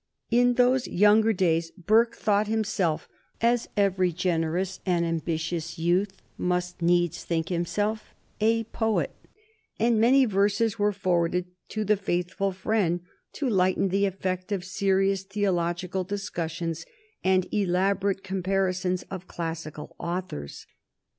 In those younger days Burke thought himself, as every generous and ambitious youth must needs think himself, a poet, and many verses were forwarded to the faithful friend, to lighten the effect of serious theological discussions and elaborate comparisons of classical authors.